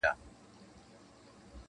محتسبه جنتي ستا دي روزي سي -